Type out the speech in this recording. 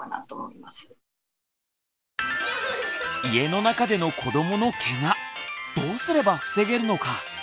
家の中での子どものケガどうすれば防げるのか？